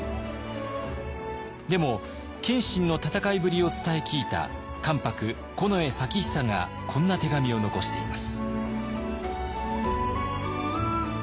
でも謙信の戦いぶりを伝え聞いた関白近衛前久がこんな手紙を残しています。